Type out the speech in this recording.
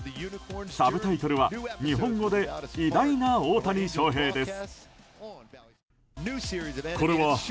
サブタイトルは日本語で「偉大な大谷翔平」です。